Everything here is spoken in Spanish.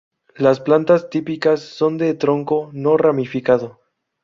Las plantas típicas son de tronco no ramificado.